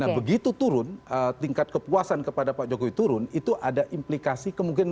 nah begitu turun tingkat kepuasan kepada pak jokowi turun itu ada implikasi kemungkinan